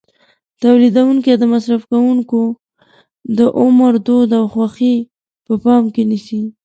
تولیدوونکي د مصرف کوونکو د عمر، دود او خوښې په پام کې نیسي.